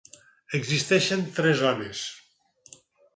Existeixen tres zones: